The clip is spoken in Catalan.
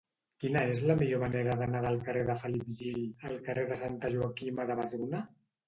Quina és la millor manera d'anar del carrer de Felip Gil al carrer de Santa Joaquima de Vedruna?